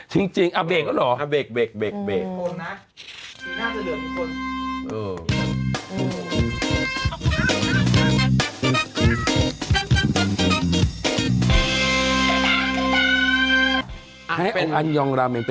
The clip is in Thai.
จริงจริงเอาเบรกแล้วหรอเอาเบรกเบรกเบรกเบรกคนนะสีหน้าจะเหลือทุกคน